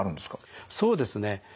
そうですね。